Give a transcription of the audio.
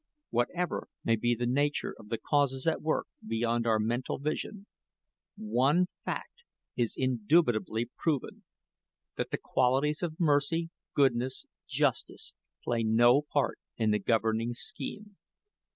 Whatever may be the nature of the causes at work beyond our mental vision, one fact is indubitably proven that the qualities of mercy, goodness, justice, play no part in the governing scheme.